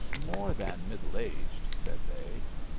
More than middle aged," said they.